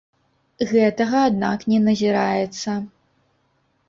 Гэтага, аднак, не назіраецца.